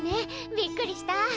びっくりした。